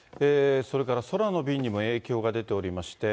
それから空の便にも影響が出ておりまして。